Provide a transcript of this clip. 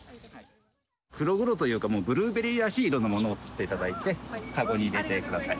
黒々というかブルーベリーらしい色のものを取って頂いてカゴに入れて下さい。